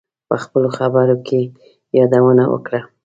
په خپلو خبرو کې یادونه وکړه.